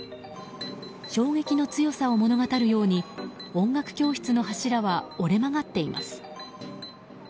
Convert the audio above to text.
衝撃の強さを物語るように音楽教室の柱は折れ曲がっています。